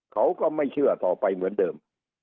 เขาก็ไม่เชื่อต่อไปเหมือนเดิม